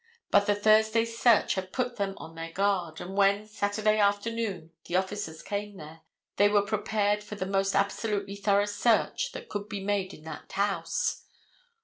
But the Thursday's search had put them on their guard, and when, Saturday afternoon, the officers came there, they were prepared for the most absolutely thorough search that could be made in that house.